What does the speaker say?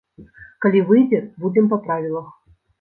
Калі выйдзе, будзем па правілах.